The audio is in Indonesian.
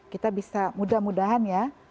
kita bisa mudah mudahan